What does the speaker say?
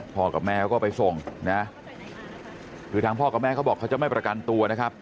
กับแม่เขาก็ไปส่งนะคือทางพ่อกับแม่เขาบอกเขาจะไม่ประกันตัวนะครับ